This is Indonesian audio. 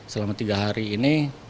selama tiga hari ini